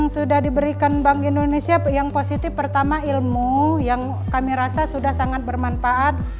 sudah diberikan bank indonesia yang positif pertama ilmu yang kami rasa sudah sangat bermanfaat